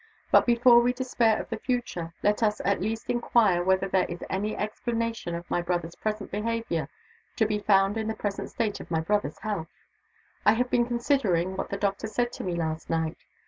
But before we despair of the future, let us at least inquire whether there is any explanation of my brother's present behavior to be found in the present state of my brother's health. I have been considering what the doctor said to me last night.